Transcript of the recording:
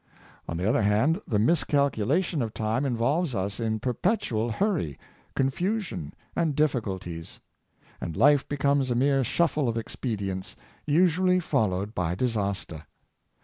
On the other hand, the miscalculation of time involves us in perpetual hurry, confusion and diffi culties; and life becomes a mere shuffle of expedients, usually followed by disaster.